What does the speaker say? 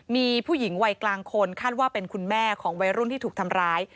มีผู้หญิงวัยกลางคนคาดว่าเป็นคุณแม่ของวัยรุ่นที่ถูกทำร้าย